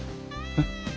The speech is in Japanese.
えっ？